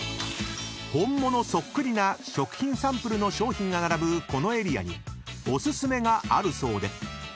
［本物そっくりな食品サンプルの商品が並ぶこのエリアにお薦めがあるそうで］